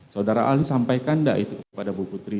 saudara ahli sampaikan tidak itu kepada ibu putri